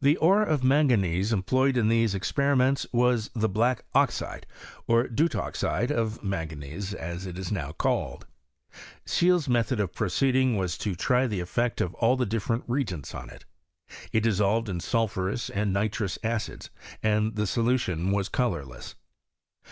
The ore of manganese employed in these expe riments was the hlack oxide, or deutoxide, of man ganese, as it is now called. Scheele's method of proceeding was to try the effect of all the different reagents on it. It dissolved in sulphurous and nitrous acids, and the solution was colourless.